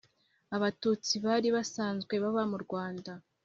abatutsi bali basanzwe baba mu rwanda